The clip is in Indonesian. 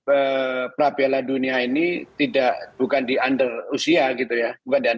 ini piala dunia ini bukan di under usia gitu ya